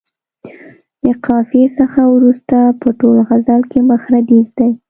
د قافیې څخه وروسته په ټول غزل کې مخ ردیف دی.